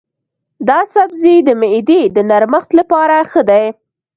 دا سبزی د معدې د نرمښت لپاره ښه دی.